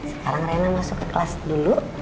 sekarang rena masuk ke kelas dulu